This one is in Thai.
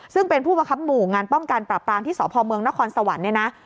ซึ่งเป็นผู้ประคับหมู่งานป้องกันปรับปรามที่สพเมืองนครสวรรค์เนี่ยนะ